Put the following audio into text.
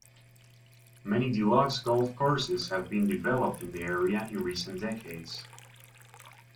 Many deluxe golf courses have been developed in the area in recent decades.